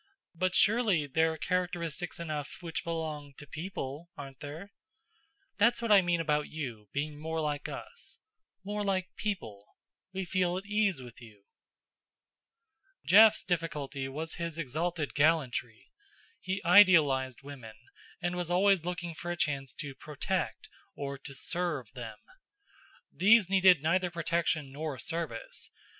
But surely there are characteristics enough which belong to People, aren't there? That's what I mean about you being more like us more like People. We feel at ease with you." Jeff's difficulty was his exalted gallantry. He idealized women, and was always looking for a chance to "protect" or to "serve" them. These needed neither protection nor service.